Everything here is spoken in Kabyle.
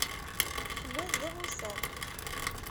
Ḥmed d amusam.